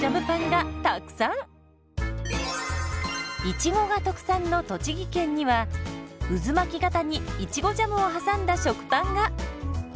いちごが特産の栃木県には渦巻き型にいちごジャムを挟んだ食パンが！